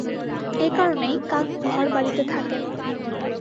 এ কারণেই কাক ঘড়-বাড়িতে থাকে না।